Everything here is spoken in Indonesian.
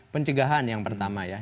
pencegahan yang pertama ya